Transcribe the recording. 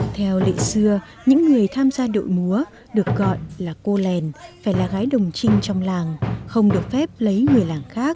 theo lệ xưa những người tham gia đội múa được gọi là cô lèn phải là gái đồng trinh trong làng không được phép lấy người làng khác